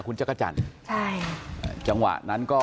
ลองฟังเสียงช่วงนี้ดูค่ะ